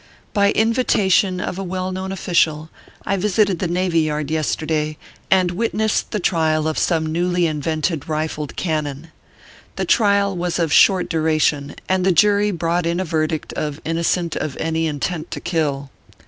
By invitation of a well known official, I visited the Navy Yard yesterday, and witnessed the trial of some newly invented rifled cannon. The trial was of short duration, and the jury brought in a verdict of " inno cent of any intent to kill."